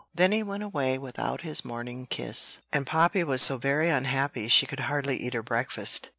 Then he went away without his morning kiss, and Poppy was so very unhappy she could hardly eat her breakfast.